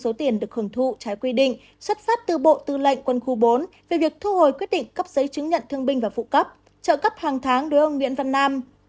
số tiền được hưởng thụ trái quy định xuất phát từ bộ tư lệnh quân khu bốn về việc thu hồi quyết định cấp giấy chứng nhận thương binh và phụ cấp trợ cấp hàng tháng đối với ông nguyễn văn nam